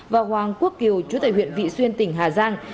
và hoàng quốc kiều chú tại huyện vị xuyên tỉnh hà giang